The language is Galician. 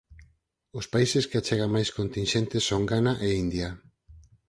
Os países que achegan máis continxentes son Ghana e India.